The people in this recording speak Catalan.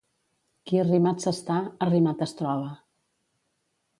Qui arrimat s'està, arrimat es troba.